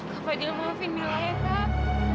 pak fadil maafin milah ya kak